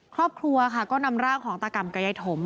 ครอบครัวค่ะก็นำร่างของตากรรมกับยายถม